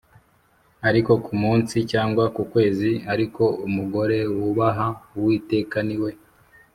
ariko ku munsi cyangwa ku kwezi Ariko umugore wubaha Uwiteka ni we